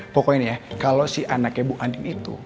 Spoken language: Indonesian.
pokoknya nih ya kalau si anaknya bu adik itu